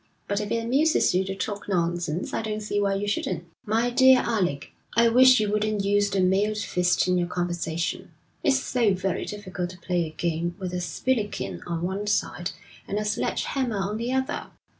But if it amuses you to talk nonsense, I don't see why you shouldn't.' 'My dear Alec, I wish you wouldn't use the mailed fist in your conversation. It's so very difficult to play a game with a spillikin on one side and a sledge hammer on the other.'